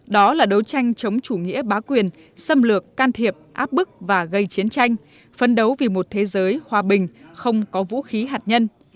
đó là đấu tranh chống chủ nghĩa bá quyền xâm lược can thiệp áp bức và gây chiến tranh phân đấu vì một thế giới hòa bình không có vũ khí hạt nhân